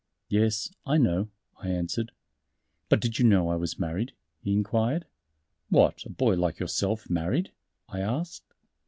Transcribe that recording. "Yes, I know," I answered. "But did you know I was married?" he inquired. "What, a boy like yourself married?" I asked.